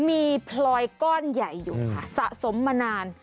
มีพลอยก้อนใหญ่อยู่ค่ะสะสมมานาน